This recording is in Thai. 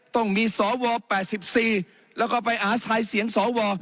ต้องมีสว๘๔แล้วก็ไปหาสายเสียงสว